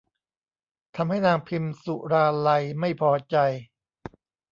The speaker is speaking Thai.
ทำให้นางพิมสุราลัยไม่พอใจ